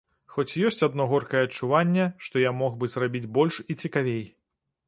Хоць ёсць адно горкае адчуванне, што я мог бы зрабіць больш і цікавей.